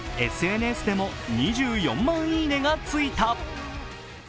ＳＮＳでも２４万いいねがついた。